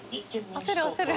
焦る焦る。